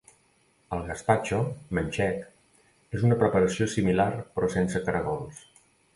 El gaspatxo manxec és una preparació similar però sense caragols.